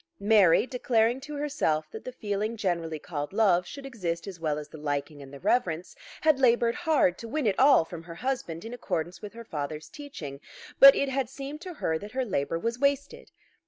Mary, declaring to herself that the feeling generally called love should exist as well as the liking and the reverence, had laboured hard to win it all from her husband in accordance with her father's teaching; but it had seemed to her that her labour was wasted.